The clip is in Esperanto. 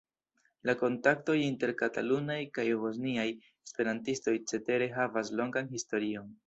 La kontaktoj inter katalunaj kaj bosniaj esperantistoj cetere havas longan historion.